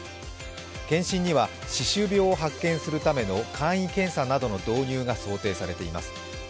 検診には歯周病を発見するための簡易検査などの導入が想定されています。